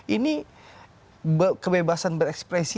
ini kebebasan berekspresi